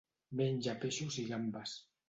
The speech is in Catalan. Menja peixos i gambes.